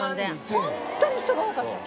ホントに人が多かった。